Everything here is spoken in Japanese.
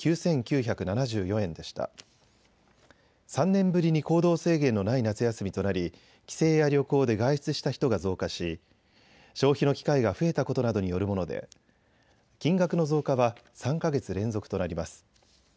３年ぶりに行動制限のない夏休みとなり帰省や旅行で外出した人が増加し消費の機会が増えたことなどによるもので金額の増加は３か月連続となります。